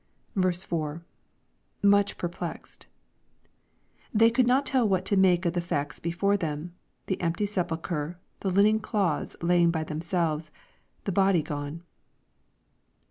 i. — [Afuch perplexed.] They could not tell what to make of the facta" before them, — the empty sepulchre, — ^the linen clothes lying by themselves, — the body gone.